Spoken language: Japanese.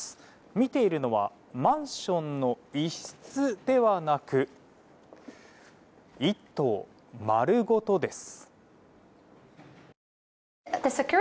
見ているのはマンションの一室ではなく１棟丸ごとです。